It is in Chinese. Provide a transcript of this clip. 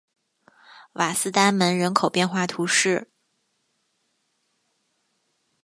瓦勒丹门人口变化图示